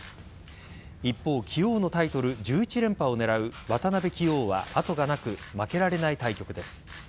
一方棋王のタイトル１１連覇を狙う渡辺棋王は後がなく負けられない対局です。